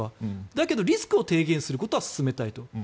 だけどリスクを低減することは進めたいと。